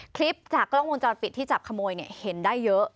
คลิปจากกล้องวงจรปิดที่จับขโมยเนี่ยเห็นได้เยอะ